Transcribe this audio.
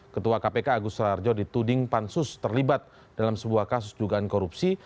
ketua kpk agus rarjo dituding pansus terlibat dalam sebuah kasus dugaan korupsi